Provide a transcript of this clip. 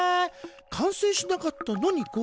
完成しなかったのに合格？